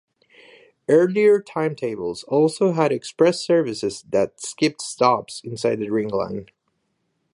Earlier timetables also had express services that skipped stops inside the ring line.